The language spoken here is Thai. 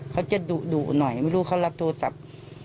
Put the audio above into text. เขาจะดุหน่อยไม่รู้เขารับโทรศัพท์